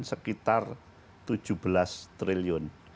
sekitar tujuh belas triliun